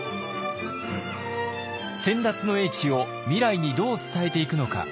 先達の英知を未来にどう伝えていくのか。